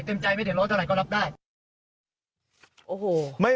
เต็มใจไม่ได้ร้อนเท่าไรก็รับได้